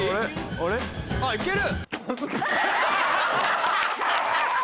あっ行ける？